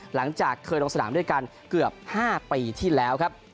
หลังจากเคยลงสนามด้วยกันเกือบ๕ปีที่แล้วครับ